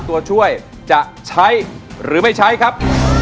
ตัวช่วยจะใช้หรือไม่ใช้ครับ